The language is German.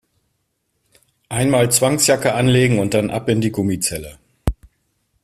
Einmal Zwangsjacke anlegen und dann ab in die Gummizelle!